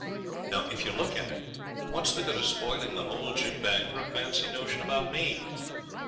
Now, if you look at it, what's the good of spoiling the whole jimbang for a fancy notion about me?